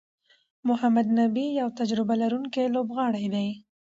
محمد نبي یو تجربه لرونکی لوبغاړی دئ.